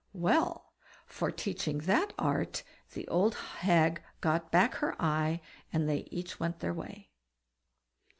Well! for teaching that art the old hag got back her eye, and they each went their way.